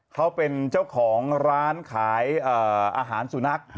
เขาเป็นเจ้าของร้านขายอาหารสุนัข